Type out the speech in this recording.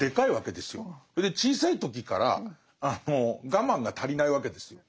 それで小さい時から我慢が足りないわけですよ。